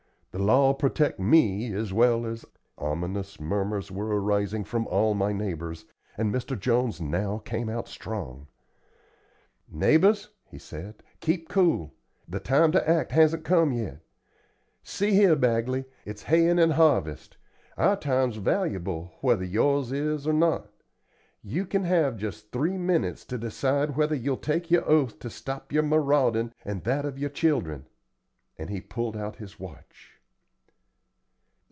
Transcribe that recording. The law'll protect me as well as " Ominous murmurs were arising from all my neighbors, and Mr. Jones now came out strong. "Neighbors," he said, "keep cool. The time to act hasn't come yet. See here, Bagley, it's hayin' and harvest. Our time's vallyble, whether yours is or not. You kin have just three minutes to decide whether you'll take your oath to stop your maraudin' and that of your children;" and he pulled out his watch.